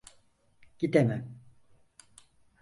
Gidemem.